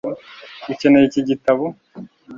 ukeneye iki gitabo